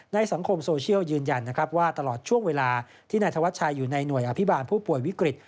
สังคมโซเชียลยืนยันนะครับว่าตลอดช่วงเวลาที่นายธวัชชัยอยู่ในหน่วยอภิบาลผู้ป่วยวิกฤต